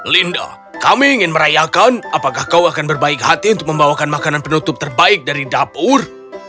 linda kami ingin merayakan apakah kau akan berbaik hati untuk membawakan makanan penutup terbaik dari dapur